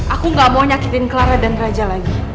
aku gak mau nyakitin clara dan raja lagi